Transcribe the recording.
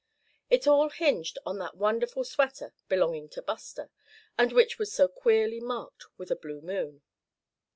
It all hinged on that wonderful sweater belonging to Buster, and which was so queerly marked with a blue moon.